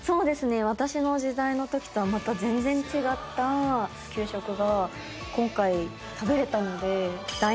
私の時代のときとはまた全然違った給食が今回食べられたので。